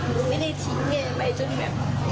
หนูไม่ได้ทิ้งแม่ไปจนแบบ